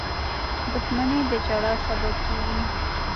• دښمني د ژړا سبب کېږي.